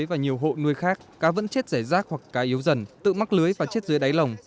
và nhiều hộ nuôi khác cá vẫn chết rẻ rác hoặc cá yếu dần tự mắc lưới và chết dưới đáy lồng